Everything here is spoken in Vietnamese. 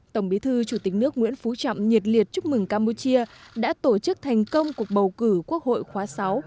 tổng bí thư chủ tịch nước nguyễn phú trọng nhiệt liệt chúc mừng campuchia đã tổ chức thành công cuộc bầu cử quốc hội khóa sáu